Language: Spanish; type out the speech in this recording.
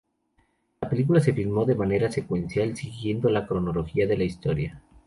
La película se filmó de manera secuencial, siguiendo la cronología de la historia.